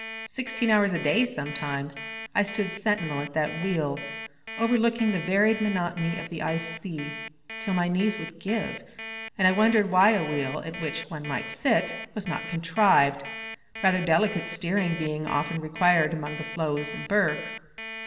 Sixteen hours a day sometimes I stood sentinel at that wheel, overlooking the varied monotony of the ice sea, till my knees would give, and I wondered why a wheel at which one might sit was not contrived, rather delicate steering being often required among the floes and bergs.